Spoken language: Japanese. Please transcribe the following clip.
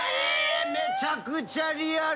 めちゃくちゃリアル！